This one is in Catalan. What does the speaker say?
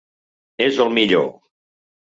És el millor.